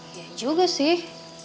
ya juga sih